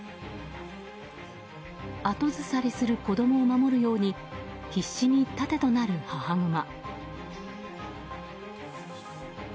後ずさりする子供を守るように必死に盾となる母グマ。